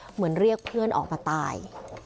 เหมือนเรียกเพื่อนออกมาตาย